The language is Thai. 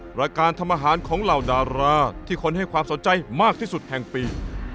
รายการทำอาหารของเหล่าดาราที่คนให้ความสนใจมากที่สุดแห่งปี